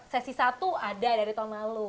sesi satu ada dari tahun lalu